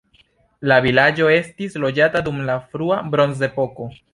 La vilaĝo estis loĝata dum la frua bronzepoko.